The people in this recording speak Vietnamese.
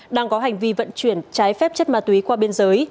đang có hành vi vận chuyển trái phép chất ma túy qua biên giới